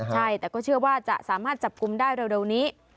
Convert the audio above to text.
ใช่แต่ก็เชื่อว่าจะสามารถจับกลุ่มได้เร็วนี้